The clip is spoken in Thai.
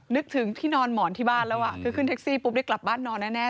นึกถึงที่นอนหมอนที่บ้านแล้วคือขึ้นแท็กซี่ปุ๊บได้กลับบ้านนอนแน่